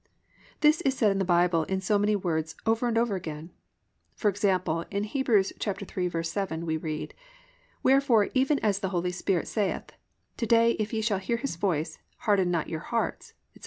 This is said in the Bible in so many words, over and over again. For example, in Heb. 3:7 we read: +"Wherefore, even as the Holy Spirit saith, To day if ye shall hear His voice, harden not your hearts, etc."